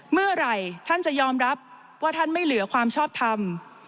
เมื่อไหร่ท่านจะยอมรับว่าท่านไม่เหลือความชอบทำ